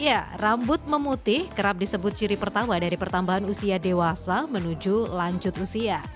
ya rambut memutih kerap disebut ciri pertama dari pertambahan usia dewasa menuju lanjut usia